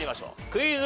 クイズ。